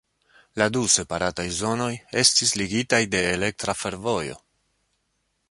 La du separataj zonoj estis ligitaj de elektra fervojo.